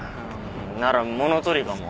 なら物取りかも。